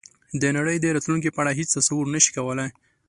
د نړۍ د راتلونکې په اړه هېڅ تصور نه شي کولای.